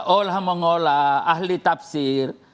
olah mengolah ahli tafsir